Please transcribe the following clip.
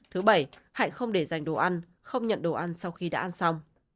thứ bảy hạnh không để dành đồ ăn không nhận đồ ăn sau khi đã ăn xong